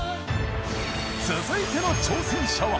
続いての挑戦者は。